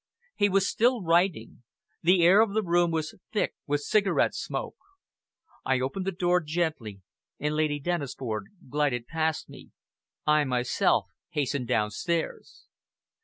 He was still writing. The air of the room was thick with cigarette smoke. I opened the door gently, and Lady Dennisford glided past me. I myself hastened downstairs.